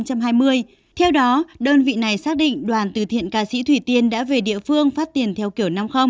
theo đó đơn vị này xác định đoàn từ thiện ca sĩ thủy tiên đã về địa phương phát tiền theo kiểu năm mươi